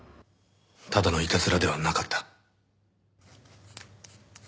ただのいたずらではなかった。